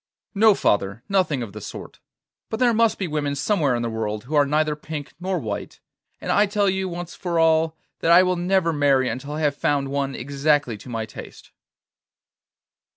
'No, father, nothing of the sort. But there must be women somewhere in the world who are neither pink nor white, and I tell you, once for all, that I will never marry until I have found one exactly to my taste.